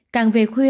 càng về khuya